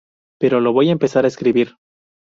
Pero lo voy a empezar a escribir.